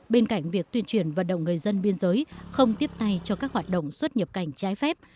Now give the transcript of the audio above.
bên cạnh việc tuyên truyền vận động người dân biên giới không tiếp tay cho các hoạt động xuất nhập cảnh trái phép